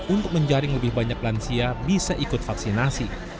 untuk menjaring lebih banyak lansia bisa ikut vaksinasi